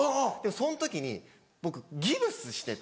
その時に僕ギプスしてて。